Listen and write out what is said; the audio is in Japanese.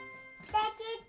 できた！